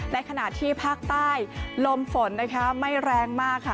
ในขณะที่ภาคใต้ลมฝนนะคะไม่แรงมากค่ะ